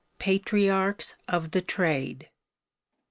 PATRIARCHS OF THE TRADE.